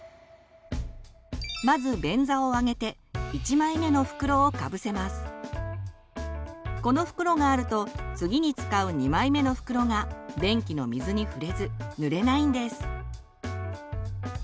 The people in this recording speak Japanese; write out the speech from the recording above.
まずこの袋があると次に使う２枚目の袋が便器の水に触れずぬれないんです。